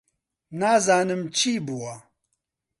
نازانم چی بووە.